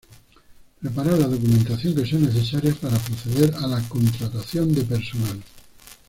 Preparar la documentación que sea necesaria para proceder a la contratación de personal.